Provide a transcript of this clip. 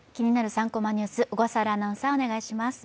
３コマニュース」、小笠原アナウンサー、お願いします。